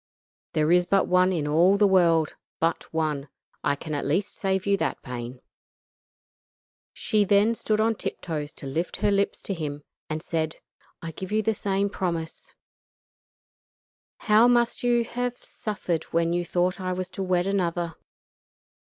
There is but one in all the world but one. I can at least save you that pain." She then stood on tip toes to lift her lips to him, and said: "I give you the same promise. How you must have suffered when you thought I was to wed another."